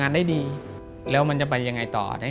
ว่าแม่พิการแม่เดินไม่ได้